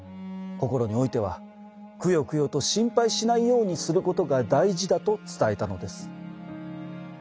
心においてはくよくよと心配しないようにすることが大事だと伝えたのです。